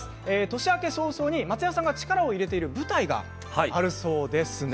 年明け早々に松也さんが力を入れている舞台があるそうです。